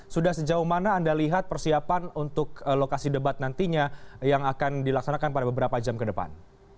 sudah sejauh mana anda lihat persiapan untuk lokasi debat nantinya yang akan dilaksanakan pada beberapa jam ke depan